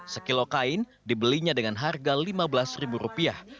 sekilo kain dibelinya dengan harga lima belas ribu rupiah